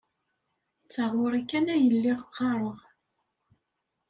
D taɣuri kan ay lliɣ qqareɣ.